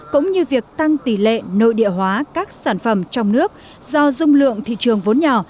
cũng như việc tăng tỷ lệ nội địa hóa các sản phẩm trong nước do dung lượng thị trường vốn nhỏ